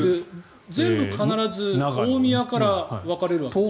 全部必ず大宮から分かれるわけでしょ。